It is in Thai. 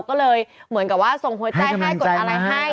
ก็เลยเหมือนกับว่าส่งหัวใจให้กดอะไรให้